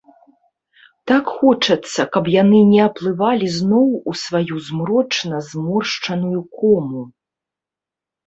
Так хочацца, каб яны не аплывалі зноў у сваю змрочна зморшчаную кому!